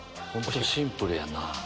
シンプルやな。